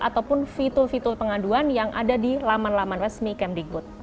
ataupun fitur fitur pengaduan yang ada di laman laman resmi kemdikbud